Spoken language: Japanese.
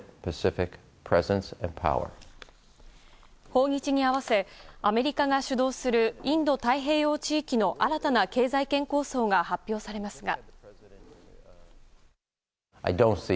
訪日に合わせアメリカが主導するインド太平洋地域の新たな経済圏構想が発表されますが。